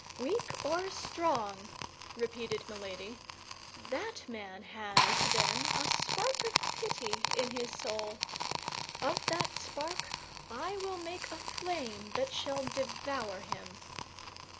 "Weak or strong," repeated Milady, "that man has, then, a spark of pity in his soul; of that spark I will make a flame that shall devour him.